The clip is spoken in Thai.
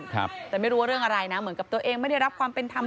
แต่ไม่รู้ว่าเรื่องอะไรนะเหมือนกับตัวเองไม่ได้รับความเป็นธรรม